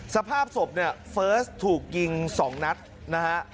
สภาพศพเฟิร์สถูกกิง๒นัดนะฮะ